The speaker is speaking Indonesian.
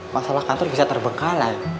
masalah kantor bisa terbengkalai